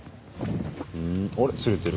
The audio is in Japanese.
あれ釣れてる。